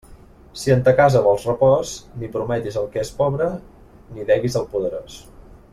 Si en ta casa vols repòs, ni prometis al que és pobre, ni deguis al poderós.